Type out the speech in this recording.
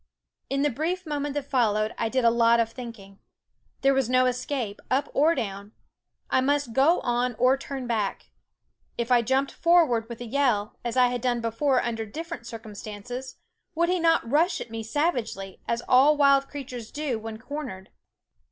In the brief moment that followed I did a lot of thinking. There was no escape, up or down; I must go on or turn back. If I jumped forward with a yell, as I had done before under differ ent circumstances, would he not rush at me savagely, as all wild creatures do when cor nered?